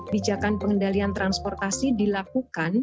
bijakan pengendalian transportasi dilakukan